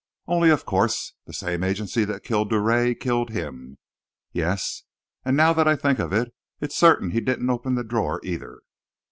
Only, of course, the same agency that killed Drouet, killed him. Yes and now that I think of it, it's certain he didn't open the drawer, either."